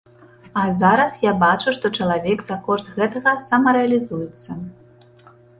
А зараз я бачу, што чалавек за кошт гэтага самарэалізуецца.